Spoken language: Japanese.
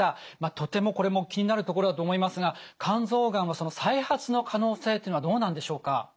とてもこれも気になるところだと思いますが肝臓がんは再発の可能性っていうのはどうなんでしょうか？